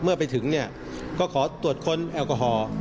เมื่อไปถึงเนี่ยก็ขอตรวจค้นแอลกอฮอล์